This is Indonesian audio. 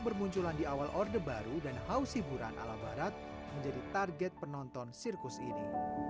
bermunculan di awal orde baru dan haus hiburan ala barat menjadi target penonton sirkus ini